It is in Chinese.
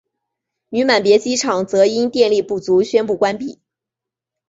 女满别机场则因电力不足宣布关闭。